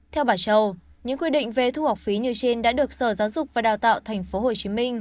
theo bà châu những quy định về thu học phí như trên đã được sở giáo dục và đào tạo tp hcm